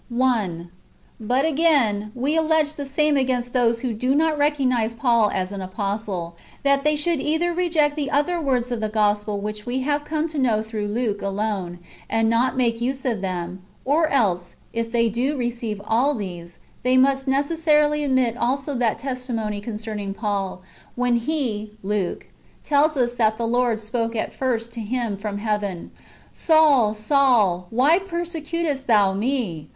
1. But again, we allege the same against those who do not recognise Paul as an apostle : that they should either reject the other words of the Gospel which we have come to know ^ Luke xviii. ^ l^uke xiii. ^ Luke xxiv. Book hi.] IEENuEUS AGAINST HERESIES. 321 tlirougli Luke alone, and not make use of them ; or else, if they do receive all these, they must necessarily admit also that testimony concerning Paul, when he (Luke) tells us that the Lord spoke at first to him from heaven :" Saul, Saul, why persecutest thou me